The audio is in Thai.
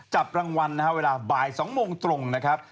จับรางวัลนะครับเวลาบ่าย๒โมงตรงนะครับ